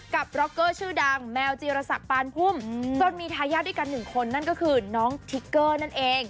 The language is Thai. ร็อกเกอร์ชื่อดังแมวจีรศักดิ์ปานพุ่มจนมีทายาทด้วยกันหนึ่งคนนั่นก็คือน้องทิกเกอร์นั่นเอง